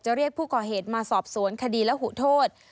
เรียกผู้ก่อเหตุมาสอบสวนคดีและหูโทษ